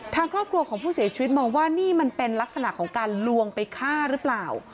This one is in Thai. ทางครอบครัวของผู้เสียชีวิตมองว่านี่มันเป็นลักษณะของการลวงไปฆ่าหรือเปล่า